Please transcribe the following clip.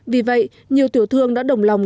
vì vậy nhiều tiểu thương đã đồng lòng